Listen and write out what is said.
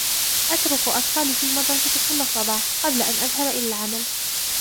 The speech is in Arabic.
أترك أطفالي في المدرسة كل صباح قبل أن أذهب إلى العمل